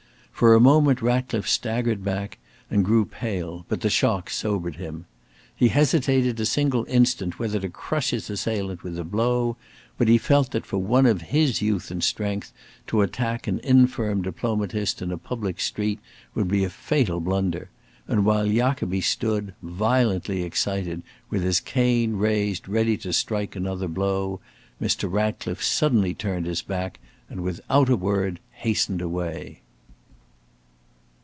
For a moment Ratcliffe staggered back and grew pale, but the shock sobered him. He hesitated a single instant whether to crush his assailant with a blow, but he felt that for one of his youth and strength, to attack an infirm diplomatist in a public street would be a fatal blunder, and while Jacobi stood, violently excited, with his cane raised ready to strike another blow, Mr. Ratcliffe suddenly turned his back and without a word, hastened away.